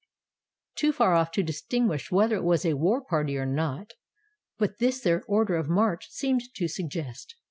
Too far off to distinguish whether it was a war party or not, but this their order of march seemed to suggest."